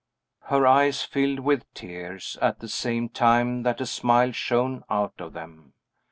Her eyes filled with tears, at the same time that a smile shone out of them.